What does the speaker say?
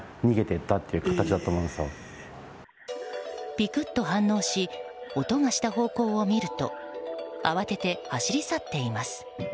ピクッと反応し音がした方向を見ると慌てて走り去っています。